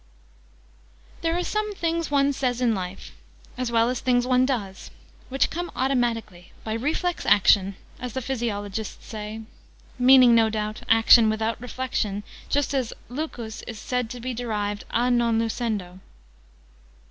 There are some things one says in life as well as things one does which come automatically, by reflex action, as the physiologists say (meaning, no doubt, action without reflection, just as lucus is said to be derived 'a non lucendo').